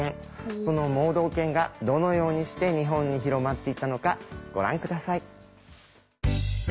その盲導犬がどのようにして日本に広まっていったのかご覧下さい。